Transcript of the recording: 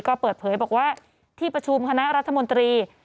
ก็เปิดเผยบอกว่าที่ประชุมคณะรัฐมนตรี